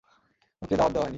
তোকে দাওয়াত দেওয়া হয়নি।